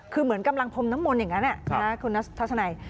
คือเหมือนกำลังพรมน้ำมนต์อย่างนั้นคุณทัศนัย